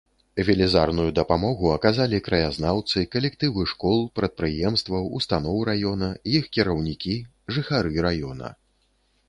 Велізарную дапамогу аказалі краязнаўцы, калектывы школ, прадпрыемстваў, устаноў раёна, іх кіраўнікі, жыхары раёна.